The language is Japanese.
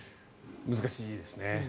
難しいですね。